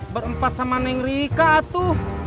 berempat sama neng rika atu